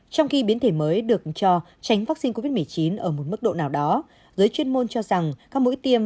trong khi biến thể mới được cho tránh vaccine covid một mươi chín ở một mức độ nào đó giới chuyên môn cho rằng các mũi tiêm